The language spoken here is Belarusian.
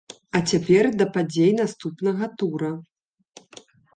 А цяпер да падзей наступнага тура!